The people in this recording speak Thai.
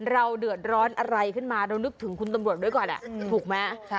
เราเดือดร้อนอะไรขึ้นมาเรานึกถึงคุณตำรวจด้วยก่อนถูกไหม